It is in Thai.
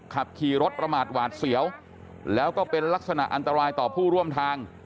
ขับขี่รถประมาทหวาดเสียวแล้วก็เป็นลักษณะอันตรายต่อผู้ร่วมทาง